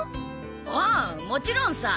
ああもちろんさ。